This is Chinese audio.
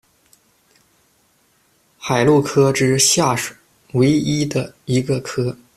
海鹿科之下唯一的一个科。